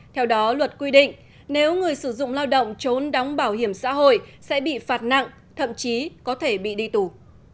theo đó luật quy định nếu người sử dụng lao động trốn đóng bảo hiểm xã hội sẽ bị phạt nặng thậm chí có thể bị đi tù